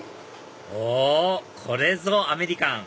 おこれぞアメリカン！